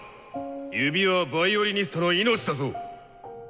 指はヴァイオリニストの命だぞ。